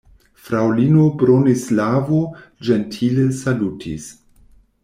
Fraŭlino Bronislavo ĝentile salutis.